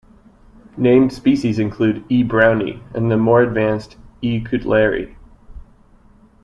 Named species include "E. browni" and the more advanced "E. cutleri".